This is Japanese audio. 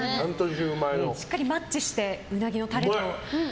しっかりマッチしてウナギのタレと。